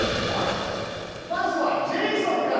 まずはジェイソンから。